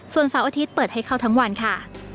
ส่วนเสาร์อาทิตย์เปิดให้เข้าทั้งวันค่ะ